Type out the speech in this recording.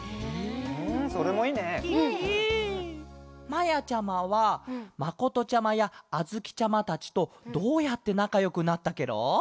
まやちゃまはまことちゃまやあづきちゃまたちとどうやってなかよくなったケロ？